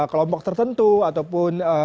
kelompok tertentu ataupun